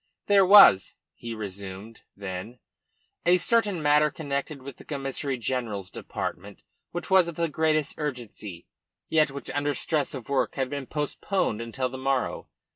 "There was," he resumed, then, "a certain matter connected with the Commissary General's department which was of the greatest urgency, yet which, under stress of work, had been postponed until the morrow.